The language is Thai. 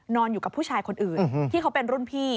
นอนอยู่กับผู้ชายคนอื่นที่เขาเป็นรุ่นพี่